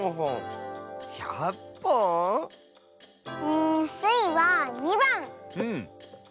うんスイは２ばん！